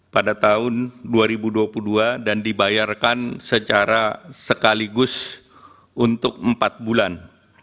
pada tahun dua ribu dua puluh dua dan dibayarkan secara sekaligus untuk empat bulan